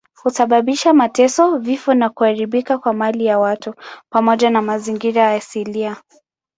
Husababisha mateso, vifo na kuharibika kwa mali ya watu pamoja na mazingira asilia.